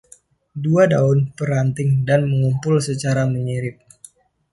Dua daun per ranting dan mengumpul secara menyirip.